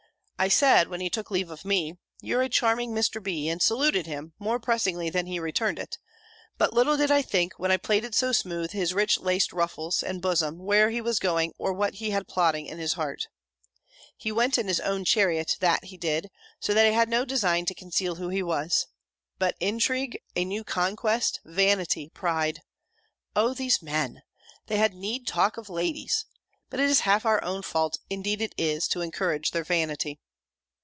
I said, when he took leave of me, "You're a charming Mr. B.," and saluted him, more pressingly than he returned it; but little did I think, when I plaited so smooth his rich laced ruffles, and bosom, where he was going, or what he had in his plotting heart. He went in his own chariot, that he did: so that he had no design to conceal who he was But intrigue, a new conquest, vanity, pride! O these men! They had need talk of ladies! But it is half our own fault, indeed it is, to encourage their vanity.